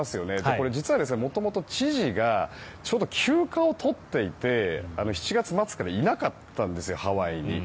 これ実は元々知事が休暇を取っていて７月末からいなかったんですハワイに。